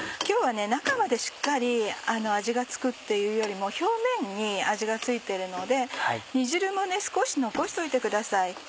今日は中までしっかり味が付くっていうよりも表面に味が付いてるので煮汁も少し残しといてください。